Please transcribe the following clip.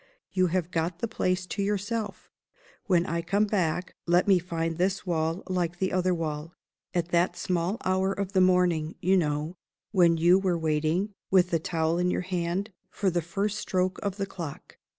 You have got the place to yourself. When I come back let me find this wall like the other wall at that small hour of the morning you know, when you were waiting, with the towel in your hand, for the first stroke of the clock.